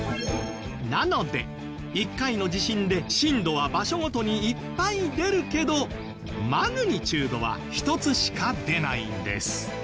なので１回の地震で震度は場所ごとにいっぱい出るけどマグニチュードは１つしか出ないんです。